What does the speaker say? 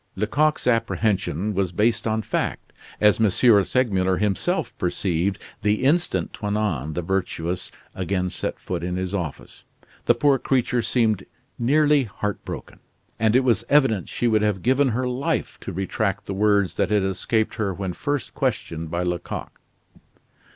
Lecoq's apprehension was based on fact, as M, Segmuller himself perceived the instant Toinon the Virtuous again set foot in his office. The poor creature seemed nearly heartbroken, and it was evident she would have given her life to retract the words that had escaped her when first questioned by Lecoq.